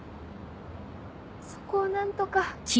そこを何とか。